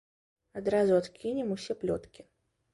Адразу адкінем усе плёткі.